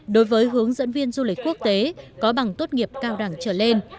đối với hướng dẫn viên du lịch quốc tế có bằng tốt nghiệp cao đẳng trở lên